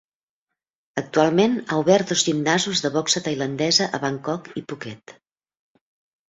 Actualment, ha obert dos gimnasos de boxa tailandesa a Bangkok i Phuket.